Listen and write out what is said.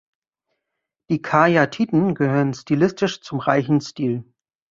Die Karyatiden gehören stilistisch zum Reichen Stil.